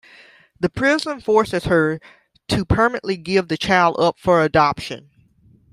The prison forces her to permanently give the child up for adoption.